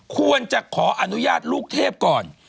ควรจะขออนุญาตลูกเทพก่อน